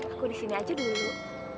aku disini aja dulu